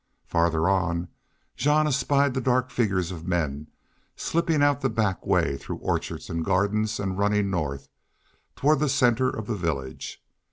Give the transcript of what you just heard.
Farther on Jean espied the dark figures of men, slipping out the back way through orchards and gardens and running north, toward the center of the village.